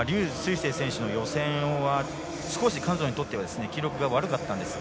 青選手の予選は少し彼女にとっては記録が悪かったんですが。